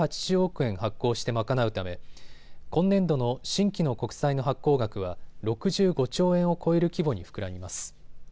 円発行して賄うため今年度の新規の国債の発行額は６５兆円を超える規模に膨らみます。